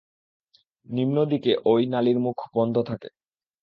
নিম্নদিকে ঐ নালীর মুখ বন্ধ থাকে।